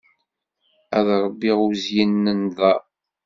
Ad ṛebbiɣ uzyin n nnḍer.